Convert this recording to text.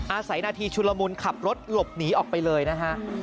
อาศัยนาทีชุลมุนขับรถหลบหนีออกไปเลยนะฮะ